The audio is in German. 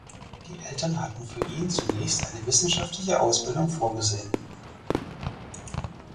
Die Eltern hatten für ihn zunächst eine wissenschaftliche Ausbildung vorgesehen.